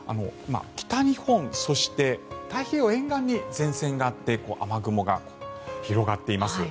北日本、そして太平洋沿岸に前線があって雨雲が広がっています。